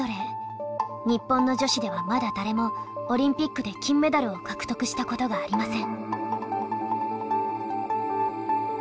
日本の女子ではまだ誰もオリンピックで金メダルを獲得したことがありません。